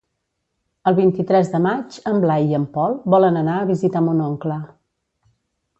El vint-i-tres de maig en Blai i en Pol volen anar a visitar mon oncle.